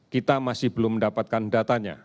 kita masih belum mendapatkan datanya